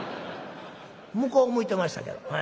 向こう向いてましたけど。